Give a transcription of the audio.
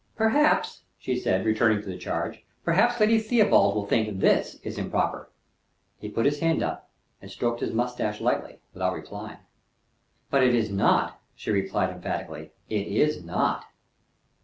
"Perhaps," she said, returning to the charge, "perhaps Lady Theobald will think this is improper." He put his hand up, and stroked his mustache lightly, without replying. "But it is not," she added emphatically: "it is _not!